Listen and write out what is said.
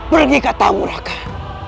pergi ke tamurakan